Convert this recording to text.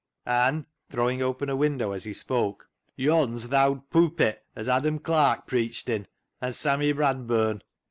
An' "— throwing open a window as he spoke —" yon's th' owd poopit as Adam Clarke preached in, an' Sammy Bradburn.